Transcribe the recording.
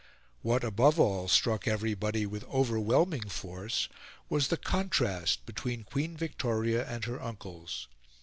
What, above all, struck everybody with overwhelming force was the contrast between Queen Victoria and her uncles.